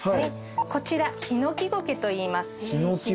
こちらヒノキゴケといいます。